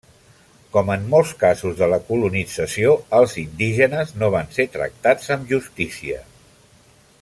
Com en molts casos de la colonització, els indígenes no van ser tractats amb justícia.